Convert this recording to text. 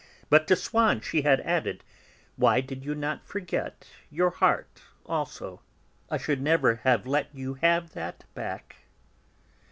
But to Swann she had added: "Why did you not forget your heart also? I should never have let you have that back."